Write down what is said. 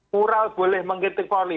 kural boleh mengkritik polri